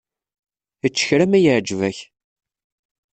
Ečč kra ma iɛǧeb-ak.